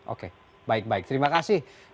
oke baik baik terima kasih